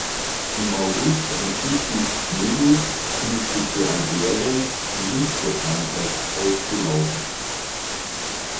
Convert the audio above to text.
Im August entschied sich Medioub künftig für Algerien und nicht für Frankreich aufzulaufen.